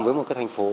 với một cái thành phố